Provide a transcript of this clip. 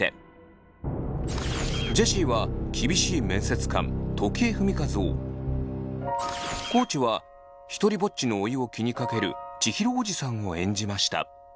ジェシーは厳しい面接官時枝史一を地はひとりぼっちの甥を気にかける千尋おじさんを演じました。